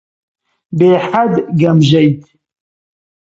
بێحەد گەمژەیت.